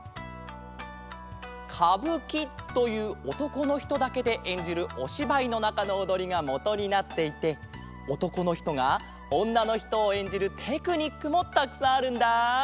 かぶきというおとこのひとだけでえんじるおしばいのなかのおどりがもとになっていておとこのひとがおんなのひとをえんじるテクニックもたくさんあるんだ！